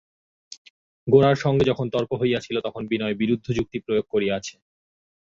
গোরার সঙ্গে যখন তর্ক হইয়াছিল তখন বিনয় বিরুদ্ধ যুক্তি প্রয়োগ করিয়াছে।